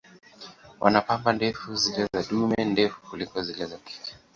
Wana pamba ndefu, zile za dume ndefu kuliko zile za jike.